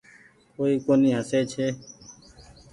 ڪوئي ڪونيٚ هسئي ڇي۔